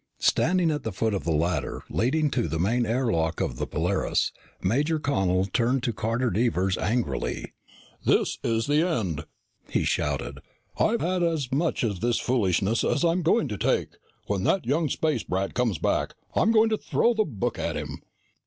Standing at the foot of the ladder leading to the main air lock of the Polaris, Major Connel turned to Carter Devers angrily. "This is the end!" he shouted. "I've had as much of this foolishness as I'm going to take. When that young space brat comes back, I'm going to throw the book at him."